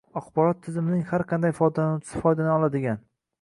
axborot tizimining har qanday foydalanuvchisi foydalana oladigan